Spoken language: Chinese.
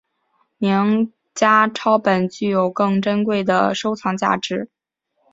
名家抄本具有更珍贵的收藏价值。